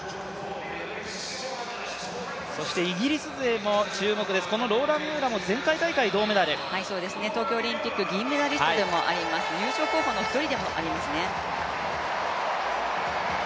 イギリス勢も注目です、ローラ・ミューアも前回大会銅メダル、東京オリンピック銀メダリストでもあります。優勝候補の一人でもありますね。